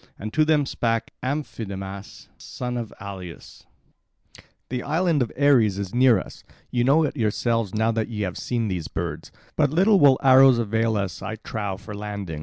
And to them spake Amphidamas, son of Aleus: "The island of Ares is near us; you know it yourselves now that ye have seen these birds. But little will arrows avail us, I trow, for landing.